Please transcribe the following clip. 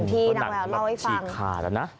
ที่น้องแววเล่าให้ฟัง